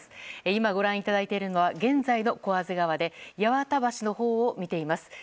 今ご覧いただいているのは現在の小畔川でヤワタ橋のほうを見ています。